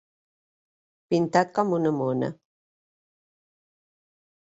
Pintat com una mona.